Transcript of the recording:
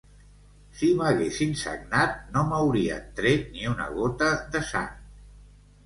Si m'haguessin sagnat no m'haurien tret ni una gota de sang.